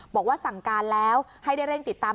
บอกว่าสั่งการแล้วให้ได้เร่งติดตาม